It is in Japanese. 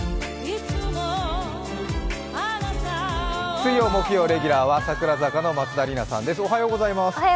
水曜、木曜レギュラーは櫻坂４６の松田里奈さんです。